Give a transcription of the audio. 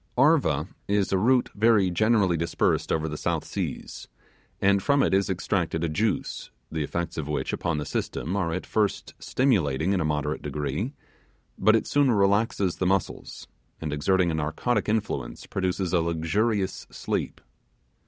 'Arva' is a root very generally dispersed over the South Seas, and from it is extracted a juice, the effects of which upon the system are at first stimulating in a moderate degree; but it soon relaxes the muscles, and exerting a narcotic influence produces a luxurious sleep.